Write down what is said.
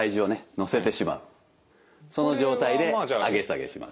乗せてしまうその状態で上げ下げします。